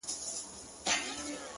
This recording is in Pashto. ورځي د وريځي يارانه مــاتـه كـړه!